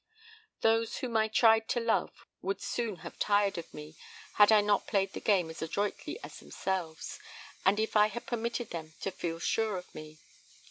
"Those whom I tried to love would soon have tired of me had I not played the game as adroitly as themselves, and if I had permitted them to feel sure of me.